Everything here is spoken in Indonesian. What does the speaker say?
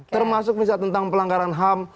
termasuk misal tentang pelanggaran ham